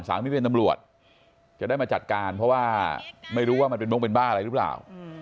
สามีเป็นตำรวจจะได้มาจัดการเพราะว่าไม่รู้ว่ามันเป็นมงเป็นบ้าอะไรหรือเปล่า